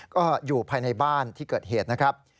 ก็อยู่ภายในบ้านที่เกิดเหตุนะครับ